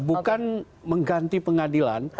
bukan mengganti pengadilan